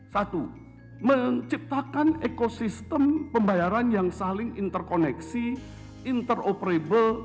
satu menciptakan ekosistem pembayaran yang saling interkoneksi interoperable